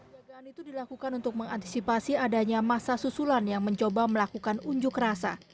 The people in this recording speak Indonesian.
jagaan itu dilakukan untuk mengantisipasi adanya masa susulan yang mencoba melakukan unjuk rasa